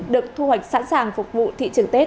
được thu hoạch sẵn sàng phục vụ thị trường tết